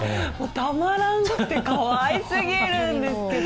たまらなくて、かわいすぎるんですけど。